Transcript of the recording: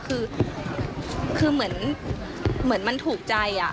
คือเหมือนมันถูกใจ